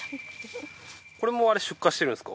これも出荷してるんですか？